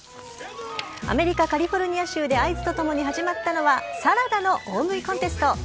アメリカ・カリフォルニア州で合図とともに始まったのはサラダの大食いコンテスト。